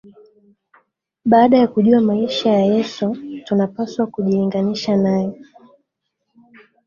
Baada ya kujua maisha ya Yesu tunapaswa kujilinganisha naye